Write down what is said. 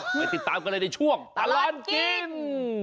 ไปติดตามกันเลยในช่วงตลอดกิน